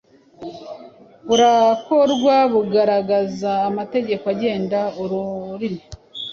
burakorwa bugaragaza amategeko agenda Ururimi